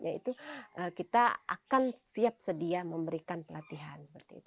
yaitu kita akan siap sedia memberikan pelatihan